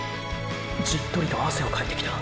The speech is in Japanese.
じっとりと汗をかいてきた！！